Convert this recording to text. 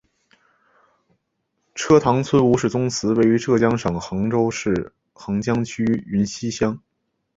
车塘村吴氏宗祠位于浙江省衢州市衢江区云溪乡。